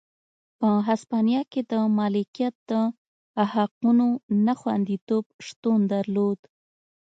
په هسپانیا کې د مالکیت د حقونو نه خوندیتوب شتون درلود.